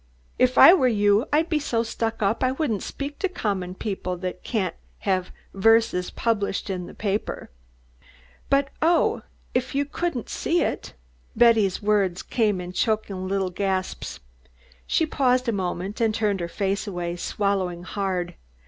If I were you I'd be so stuck up I wouldn't speak to common people that can't have verses published in the papah." "But oh if you couldn't see it!" Betty's words came in choking little gasps. She paused a moment and turned her face away, swallowing hard.